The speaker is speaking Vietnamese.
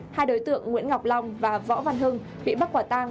hai đối tượng nguyễn ngọc long và võ văn hưng bị bắt quả tang